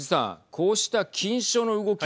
こうした禁書の動き